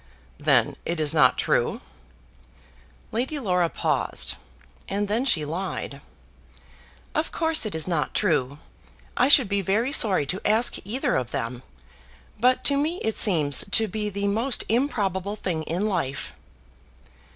"Then it is not true?" Lady Laura paused, and then she lied. "Of course it is not true. I should be very sorry to ask either of them, but to me it seems to be the most improbable thing in life."